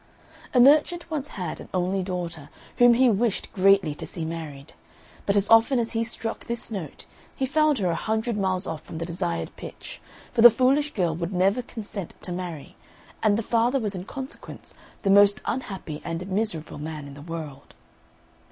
A merchant once had an only daughter, whom he wished greatly to see married; but as often as he struck this note, he found her a hundred miles off from the desired pitch, for the foolish girl would never consent to marry, and the father was in consequence the most unhappy and miserable man in the world.